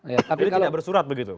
jadi tidak bersurat begitu pak